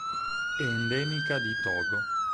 È endemica di Togo.